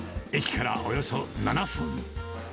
駅からおよそ７分。